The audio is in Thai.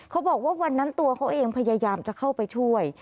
เขาบอกว่าวันนั้นตัวเขาเองพยายามจะเข้าไปช่วย